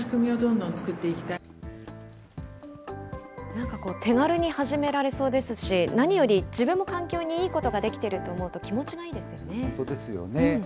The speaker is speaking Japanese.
なんかこう、手軽に始められそうですし、何より自分の環境にいいことができてると思うと、気持ちがいいで本当ですよね。